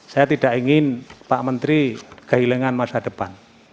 saya tidak ingin pak menteri kehilangan masa depan